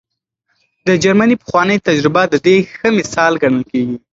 د جرمني پخوانۍ تجربه د دې ښه مثال ګڼل کېږي.